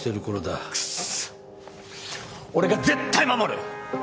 くそ俺が絶対守る！